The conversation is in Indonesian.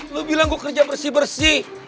lo bilang gue kerja bersih bersih